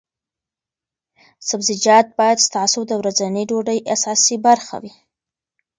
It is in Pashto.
سبزیجات باید ستاسو د ورځنۍ ډوډۍ اساسي برخه وي.